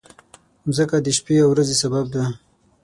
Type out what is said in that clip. مځکه د شپې او ورځې سبب ده.